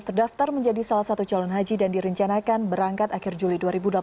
terdaftar menjadi salah satu calon haji dan direncanakan berangkat akhir juli dua ribu delapan belas